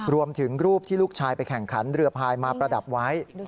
รวมถึงรูปที่ลูกชายไปแข่งขันเรือพายมาประดับไว้